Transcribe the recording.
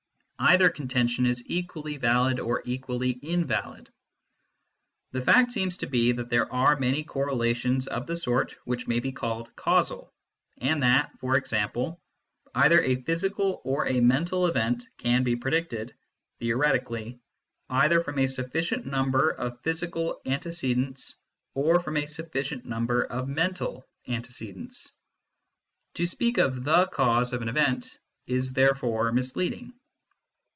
Either contention is equally valid or equally invalid. The fact seems to be that there are many correlations of the sort which may be called causal, and that, for example, either a physical or a mental event can be predicted, theoretically, either from a sufficient number of physical antecedents or from a sufficient number oi mental antecedents. To speak of the cause of an event is therefore misleading.